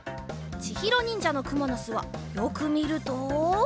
ちひろにんじゃのくものすはよくみると。